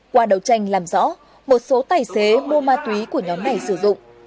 qua đầu tranh làm rõ một số tài xế mua ma túy của nhóm này sử dụng